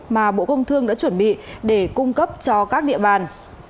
mà bộ công thương đã chuẩn bị để cung cấp cho các địa bàn